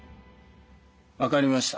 分かりました。